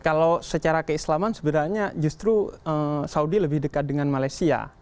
kalau secara keislaman sebenarnya justru saudi lebih dekat dengan malaysia